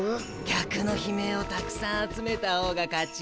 客の悲鳴をたくさん集めたほうが勝ち。